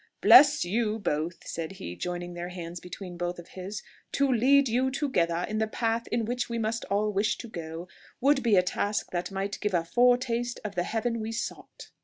"Bless you both!" said he, joining their hands between both of his. "To lead you together in the path in which we must all wish to go, would be a task that might give a foretaste of the heaven we sought!"